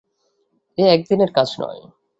এ এক দিনের কাজ নয়।